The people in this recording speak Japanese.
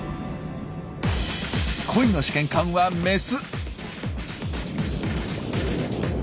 恋の試験官はメス。